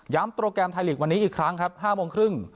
โปรแกรมไทยลีกวันนี้อีกครั้งครับ๕โมงครึ่ง